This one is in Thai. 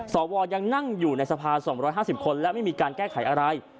สวยังนั่งอยู่ในสภา๒๕๐คนและไม่มีการแก้ไขอะไร